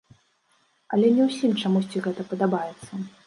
Але не ўсім чамусьці гэта падабаецца.